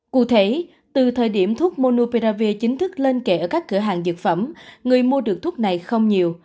cụ thể từ thời điểm thuốc monopravi chính thức lên kệ ở các cửa hàng dược phẩm người mua được thuốc này không nhiều